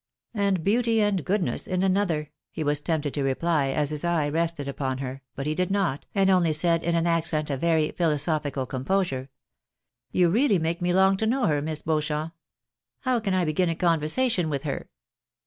" And beauty and goodness in another," he was tempted to reply, as his eye rested upon her ; but he did not, and only said, in an accent of very philosophical composure —■ "You really make me long to know her, Miss Beauchamp. How can I begin a conversation with her